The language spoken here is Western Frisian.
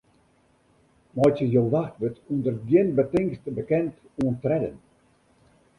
Meitsje jo wachtwurd ûnder gjin betingst bekend oan tredden.